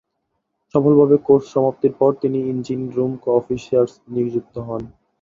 সফলভাবে কোর্স সমাপ্তির পর তিনি ইঞ্জিন রুম আর্টিফিশার নিযুক্ত হন।